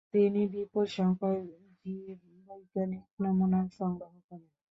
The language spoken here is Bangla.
তিনি বিপুল সংখ্যক জীববৈজ্ঞানিক নমুনা সংগ্রহ করেন।